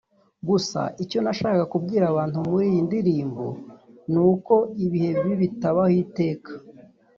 Gusa icyo nashakaga kubwira abantu muri iyi ndirimbo ni uko ibihe bibi bitabaho iteka